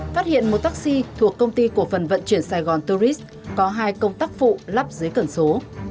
phát hiện một taxi thuộc công ty cổ phần vận chuyển sài gòn tourist có hai công tác phụ lắp dưới cẩn số